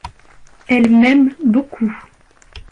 Elle m'aime beaucoup.